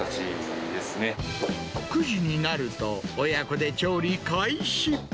９時になると、親子で調理開始。